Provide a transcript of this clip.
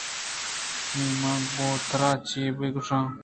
نی من گوں ترا چے بہ گْوشاں